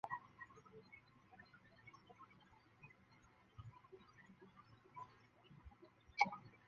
贴近尼埃普斯环形山西南边缘有一座可能形成于一次斜向撞击的泪滴状陨坑。